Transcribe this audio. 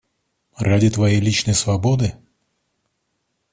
Ради твоей личной свободы?